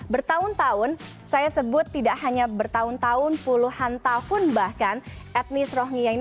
bertahun tahun saya sebut tidak hanya bertahun tahun puluhan tahun bahkan etnis rohiyang ini